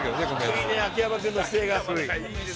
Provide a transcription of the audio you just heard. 低いね秋山君の姿勢が。